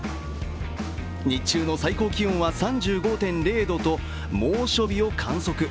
日中の最高気温は３５．０度と猛暑日を観測。